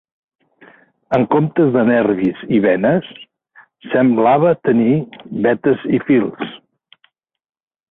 En comptes de nervis i venes, semblava tenir betes i fils